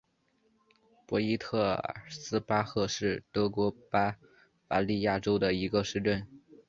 博伊特尔斯巴赫是德国巴伐利亚州的一个市镇。